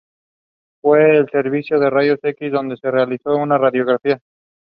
Terayama won the semifinal bout against Kanta Tabuchi in the same manner.